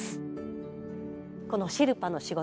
このシェルパの仕事